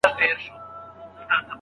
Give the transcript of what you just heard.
خُم ولاړ دی جل وهلی شونډي وچي له کلونو